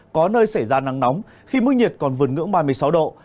có nơi xảy ra nắng nóng khi mức nhiệt còn vượt ngưỡng ba mươi sáu độ